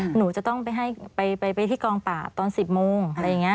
หนูจะต้องไปที่กองป่าตอน๑๐โมง